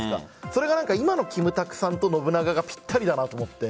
それが今のキムタクさんと信長がぴったりだなと思って。